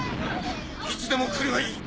いつでも来るがいい。